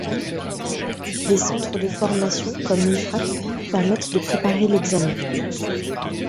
Des centres de formation, comme l'Ifrac, permettent de préparer l'examen.